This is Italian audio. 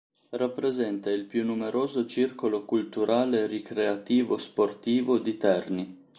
Rappresenta il più numeroso circolo culturale-ricreativo-sportivo di Terni.